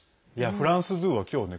フランス２は今日はね